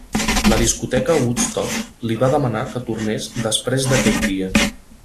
La discoteca Woodstock li va demanar que tornés després d'aquell dia.